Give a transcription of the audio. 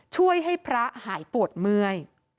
ช่วยให้พระหายปวดเมื่อย